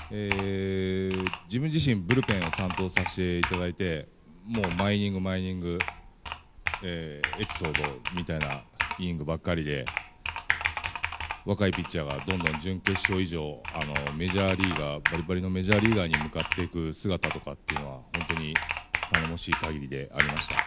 自分自身ブルペンを担当させていただいて毎イニング、毎イニングエピソードみたいなイニングばかりで若いピッチャーがどんどん準決勝以上バリバリのメジャーリーガーに向かっていく姿とかってのは本当に頼もしい限りでありました。